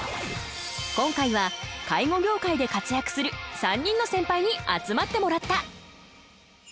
今回は介護業界で活躍する３人のセンパイに集まってもらった。